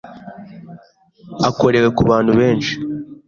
akorewe ku bantu benshi,